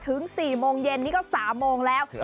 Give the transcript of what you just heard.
ถึง๔โมงเย็นนี่ก็๓โมงแล้ว